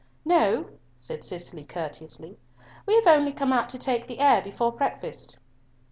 "No," said Cicely courteously, "we have only come out to take the air before breakfast."